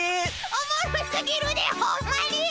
おもろすぎるでホンマに！